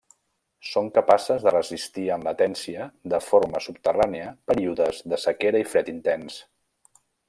Són capaces de resistir en latència de forma subterrània períodes de sequera i fred intens.